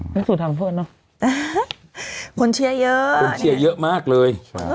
อืมนักสูตรทางเพื่อนเนอะคนเชื่อเยอะเชื่อเยอะมากเลยใช่